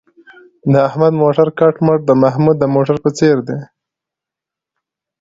د احمد موټر کټ مټ د محمود د موټر په څېر دی.